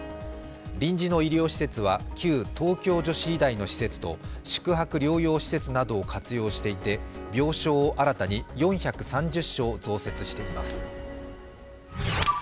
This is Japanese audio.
臨時の医療施設は旧東京女子医大の施設と宿泊療養施設などを活用していて病床を新たに４３０床増設しています